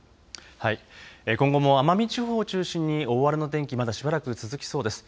今後も奄美地方を中心に大荒れの天気、まだしばらく続きそうです。